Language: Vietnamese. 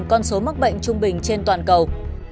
con số mắc bệnh trung bình trên toàn cầu